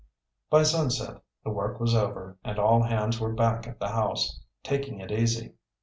By sunset the work was over and all hands were back at the house, taking it easy.